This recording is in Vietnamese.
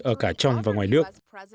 ở cả trong và ngoài nước